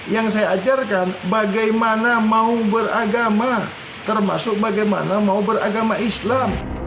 yang saya ajarkan bagaimana mau beragama termasuk bagaimana mau beragama islam